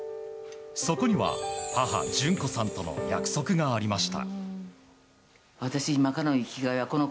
そこには母・淳子さんとの約束がありました。